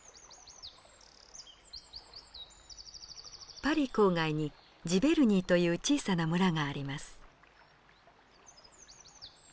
パリ郊外にジヴェルニーという小さな村があります。